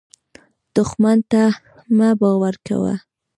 دښمن ته مه باور کوه